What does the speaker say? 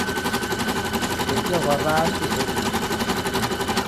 W'utesia ghwa w'aasi ghodumbulwa.